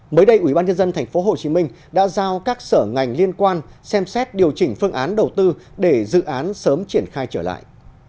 mới đây ubnd tp hcm đã giao các sở ngành liên quan xem xét điều chỉnh phương án đầu tư để dự án sớm triển khai trở lại